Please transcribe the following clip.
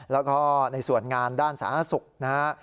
แล้วก็ในส่วนงานด้านสาธารณสุขนะฮะ